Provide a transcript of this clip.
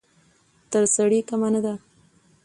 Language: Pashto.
تر سړي کمه نه ده.